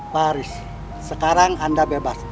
paris sekarang anda bebas